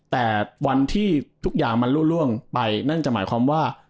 แต่วันที่ทุกอย่างมันล่วงไปนั่นจะหมายความว่า